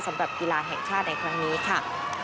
สำหรับกีฬาแห่งชาติในครั้งนี้ค่ะ